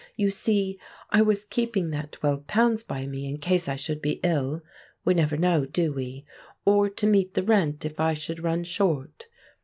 You see, I was keeping that £12 by me in case I should be ill—we never know, do we?—or to meet the rent if I should run short.